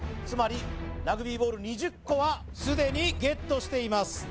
つまりラグビーボール２０個はすでにＧＥＴしています